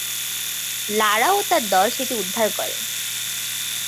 লারা ও তার দল সেটি উদ্ধার করে।